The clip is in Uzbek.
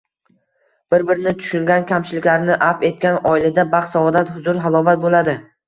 Bir-birini tushungan, kamchiliklarini avf etgan oilada baxt-saodat, huzur-halovat bo‘ladi.